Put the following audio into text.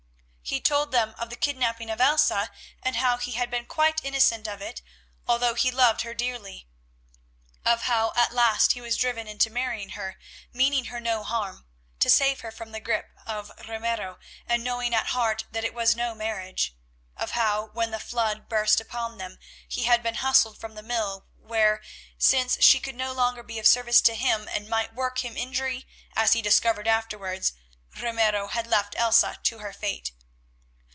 He told them of the kidnapping of Elsa, and how he had been quite innocent of it although he loved her dearly; of how at last he was driven into marrying her, meaning her no harm, to save her from the grip of Ramiro, and knowing at heart that it was no marriage; of how, when the flood burst upon them, he had been hustled from the mill where, since she could no longer be of service to him and might work him injury, as he discovered afterwards, Ramiro had left Elsa to her fate.